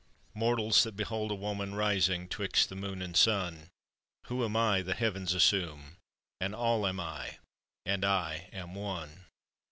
"_Mortals, that behold a Woman, Rising 'twixt the Moon and Sun; Who am I the heavens assume? an All am I, and I am one.